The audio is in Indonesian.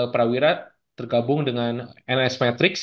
prawirat tergabung dengan ns matrix